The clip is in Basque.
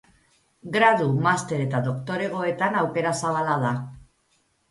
Gradu, master eta doktoregoetan aukera zabala da.